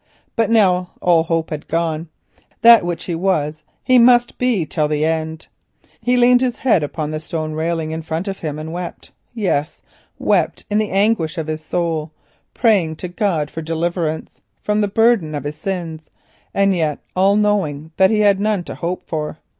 But now all hope had gone, that which he was he must be till the end. He leaned his head upon the stone railing in front of him and wept, wept in the anguish of his soul, praying to heaven for deliverance from the burden of his sins, well knowing that he had none to hope for.